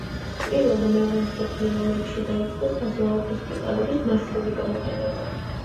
პირველ და მეორე მსოფლიო ომებში დაიწყო საზღვაო ჰოსპიტალების მასიური გამოყენება.